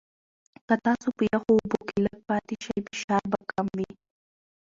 که تاسو په یخو اوبو کې لږ پاتې شئ، فشار به کم وي.